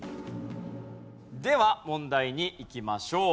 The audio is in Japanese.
では問題にいきましょう。